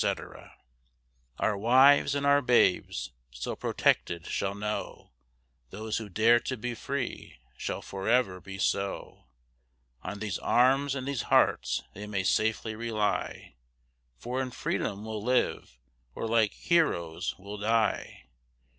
_ Our wives and our babes, still protected, shall know Those who dare to be free shall forever be so; On these arms and these hearts they may safely rely For in freedom we'll live, or like Heroes we'll die.